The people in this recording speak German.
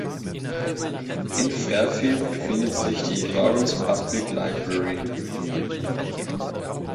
In Fairfield befindet sich die "Lawrence Public Library".